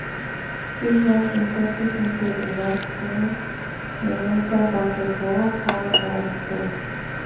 He was inducted into the Naismith Memorial Basketball Hall of Fame.